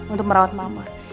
untuk merawat mama